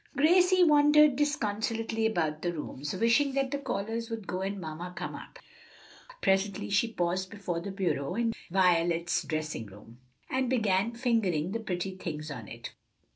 Gracie wandered disconsolately about the rooms, wishing that the callers would go and mamma come up. Presently she paused before the bureau in Violet's dressing room, and began fingering the pretty things on it.